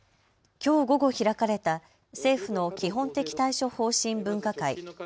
きょう午後、開かれた政府の基本的対処方針分科会。